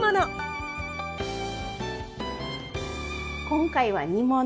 今回は煮物。